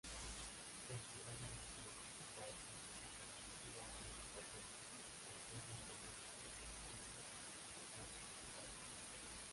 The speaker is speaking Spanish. Originalmente, Bob Dylan iba a hacer ese papel, pero fue reemplazado por Peter Frampton.